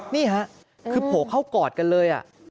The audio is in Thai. นี่ค่ะคือโผล่เข้ากอดกันเลย